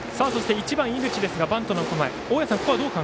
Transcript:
１番、井口、バントの構え。